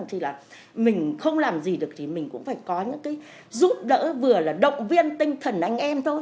thì là mình không làm gì được thì mình cũng phải có những cái giúp đỡ vừa là động viên tinh thần anh em thôi